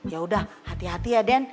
yaudah hati hati ya den